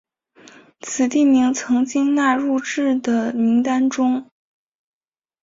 此地名经常纳入至的名单中。